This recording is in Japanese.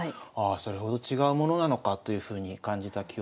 それほど違うものなのかというふうに感じた記憶があります。